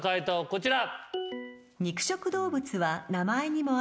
こちら。